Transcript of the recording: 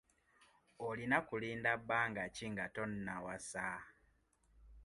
Olina kulinda bbanga ki nga tonnawasa?